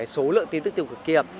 số lượng tin tức tiêu cực kìa